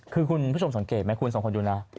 คือคุณผู้ชมสังเกตไหมคุณสองคนดูนะ